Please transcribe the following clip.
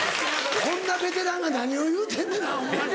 こんなベテランが何を言うてんねんなホンマに。